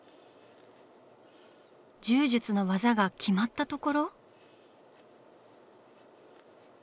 柔術の技が決まったところ？